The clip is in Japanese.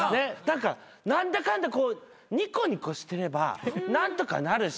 何だかんだこうニコニコしてれば何とかなるし。